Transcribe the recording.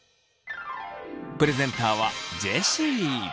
プレゼンターはジェシー。